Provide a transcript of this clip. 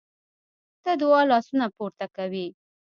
د دعا لاسونه پورته کوي.